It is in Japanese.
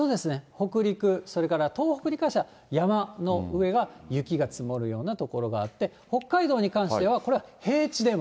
北陸、それから東北に関しては、山の上は雪が積もるような所があって、北海道に関しては、これは平地でも。